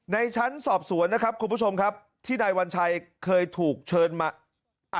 ในชั้นสอบสวนนะครับคุณผู้ชมครับที่นายวัญชัยเคยถูกเชิญมาอ่ะ